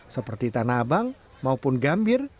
seperti tanah abang maupun gambir